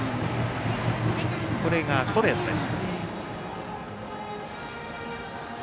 これがストレートです。